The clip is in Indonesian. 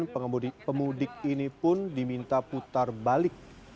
pemudik ini pun diminta putar balik